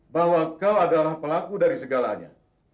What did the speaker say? bahwa kau adalah pelaku dari segalanya